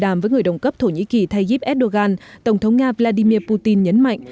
đàm với người đồng cấp thổ nhĩ kỳ tayyip erdogan tổng thống nga vladimir putin nhấn mạnh